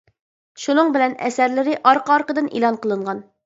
شۇنىڭ بىلەن ئەسەرلىرى ئارقا-ئارقىدىن ئېلان قىلىنغان.